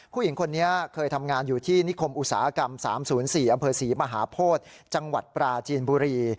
ผู้หญิงคนนี้เคยทำงานอยู่ที่นิคมอุตสาหกรรม๓๐๔อำเภอศรีมหาโพธิจังหวัดปราจีนบุรี